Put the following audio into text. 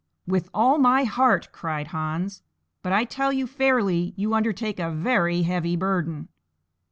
"With all my heart," cried Hans; "but I tell you fairly you undertake a very heavy burden."